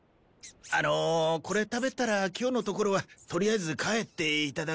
あのこれ食べたら今日のところはとりあえず帰っていただく。